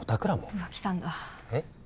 うわ来たんだえっ？